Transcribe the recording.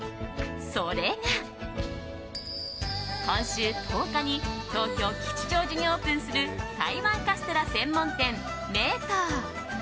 それが、今週１０日に東京・吉祥寺にオープンする台湾カステラ専門店、名東。